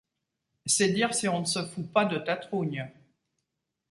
C’est dire si on ne se fout pas de ta trougne.